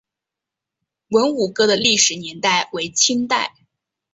文武阁的历史年代为清代。